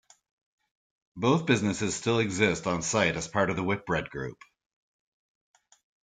Both businesses still exist on site as part of the Whitbread group.